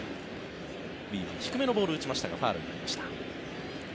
低めのボールを打ちましたがファウルになりました。